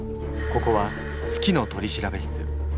ここは「好きの取調室」。